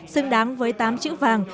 xứng đáng với tám chữ vàng